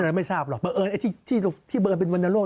เขาไม่ทราบหรอกประเอิญที่เบิร์นเป็นวรรณโรค